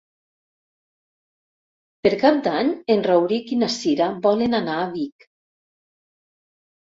Per Cap d'Any en Rauric i na Cira volen anar a Vic.